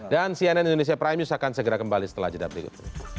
dan cnn indonesia prime news akan segera kembali setelah jeda berikut